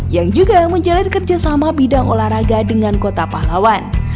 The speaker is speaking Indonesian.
yang juga menjalin kerjasama bidang olahraga dengan kota pahlawan